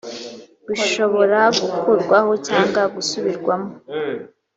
bishobora gukurwaho cyangwa gusubirwamo